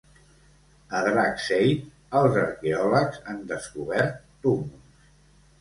A Dragseid els arqueòlegs han descobert túmuls.